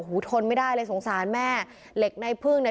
ทนไม่ได้เลยสงสารแม่เหล็กในพึ่งเนี่ย